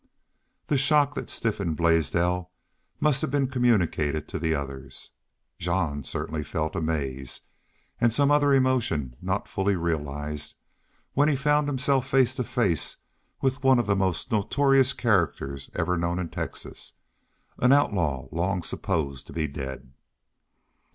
The shock that stiffened Blaisdell must have been communicated to the others. Jean certainly felt amaze, and some other emotion not fully realized, when he found himself face to face with one of the most notorious characters ever known in Texas an outlaw long supposed to be dead.